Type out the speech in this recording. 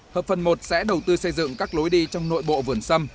hợp phần một sẽ đầu tư xây dựng các lối đi trong nội bộ vườn sâm